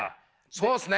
そうっすね。